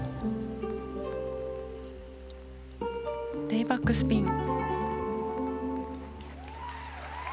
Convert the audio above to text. レイバックスピン。